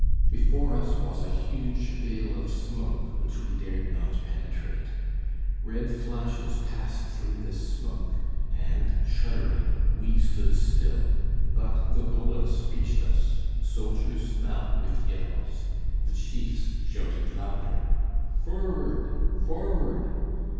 Before us was a huge veil of smoke which we dared not penetrate. Red flashes passed through this smoke. And, shuddering, we still stood still. But the bullets reached us; soldiers fell with yells. The chiefs shouted louder: "Forward, forward!"